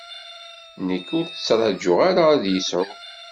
Nekk ur t-ttraǧuɣ ara ad yesɛu.